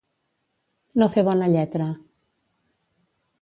No fer bona lletra.